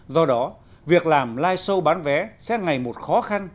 do đó việc làm live show bán vé sẽ ngày một khó khăn